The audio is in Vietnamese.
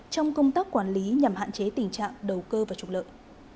trong công tác quản lý nhằm hạn chế tình trạng đầu cơ và trục lợi